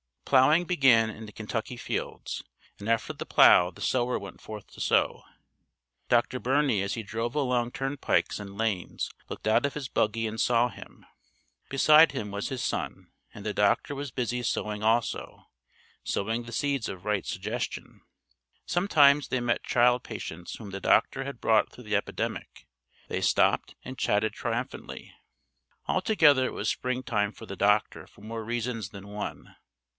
Ploughing began in the Kentucky fields, and after the plough the sower went forth to sow. Dr. Birney as he drove along turnpikes and lanes looked out of his buggy and saw him. Beside him was his son, and the doctor was busy sowing also, sowing the seeds of right suggestion. Sometimes they met child patients whom the doctor had brought through the epidemic, they stopped and chatted triumphantly. Altogether it was springtime for the doctor for more reasons than one.